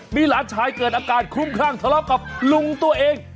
มีหลานชายเกิดอาการคลุ้มคลั่งทะเลาะกับลุงตัวเอง